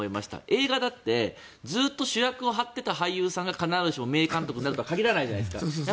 映画だってずっと主役を張っていた俳優さんが必ずしも名監督になるとは限らないので。